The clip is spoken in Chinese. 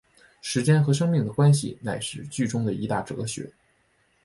时间和生命的关系乃是剧中的一大哲学。